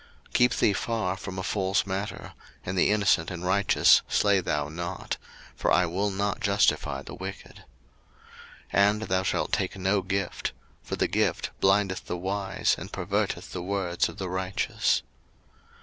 02:023:007 Keep thee far from a false matter; and the innocent and righteous slay thou not: for I will not justify the wicked. 02:023:008 And thou shalt take no gift: for the gift blindeth the wise, and perverteth the words of the righteous.